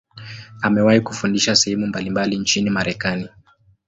Amewahi kufundisha sehemu mbalimbali nchini Marekani.